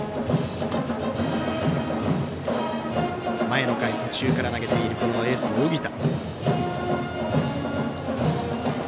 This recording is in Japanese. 前の回、途中から投げているエースの小北。